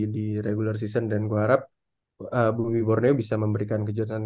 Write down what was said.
brandon francis gak main ya